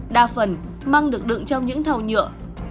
đa phần măng được đựng trong những thao nhựa